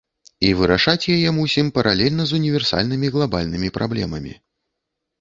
І вырашаць яе мусім паралельна з універсальнымі, глабальнымі праблемамі.